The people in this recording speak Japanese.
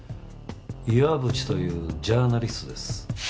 岩淵というジャーナリストです。